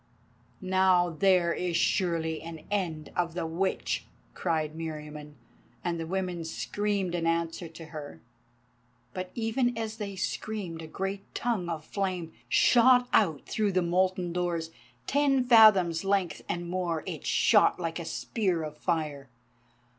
"Now there is surely an end of the Witch," cried Meriamun, and the women screamed an answer to her. But even as they screamed a great tongue of flame shot out through the molten doors, ten fathoms length and more, it shot like a spear of fire.